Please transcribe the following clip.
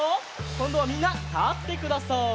こんどはみんなたってください。